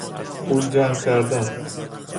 پول جمع کردن